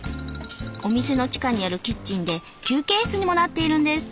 お店の地下にあるキッチンで休憩室にもなっているんです。